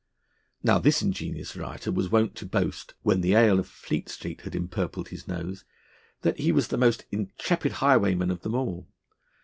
Now, this ingenious writer was wont to boast, when the ale of Fleet Street had empurpled his nose, that he was the most intrepid highwayman of them all.